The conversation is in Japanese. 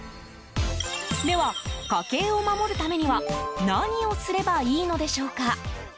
では、家計を守るためには何をすればいいのでしょうか。